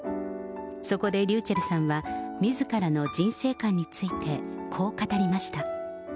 そこでｒｙｕｃｈｅｌｌさんは、みずからの人生観についてこう語りました。